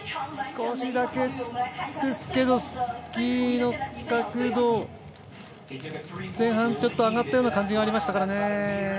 少しだけですけどスキーの角度前半、ちょっと上がったような感じがありましたからね。